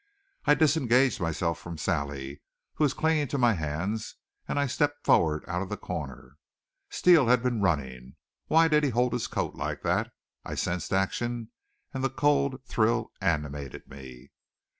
I disengaged myself from Sally, who was clinging to my hands, and I stepped forward out of the corner. Steele had been running. Why did he hold his coat like that? I sensed action, and the cold thrill animated me.